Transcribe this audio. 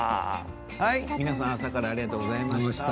皆さん朝からありがとうございました。